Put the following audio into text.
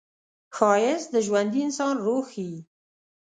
ښایست د ژوندي انسان روح ښيي